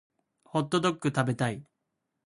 ホットドック食べたい